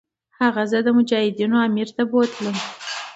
هغه زه مجاهدینو امیر ته بوتلم.